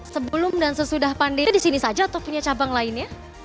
sebelum dan sesudah pandemi di sini saja atau punya cabang lainnya